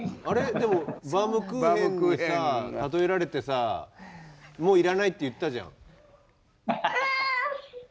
でもバウムクーヘンにさ例えられてさ「もういらない」って言ったじゃん。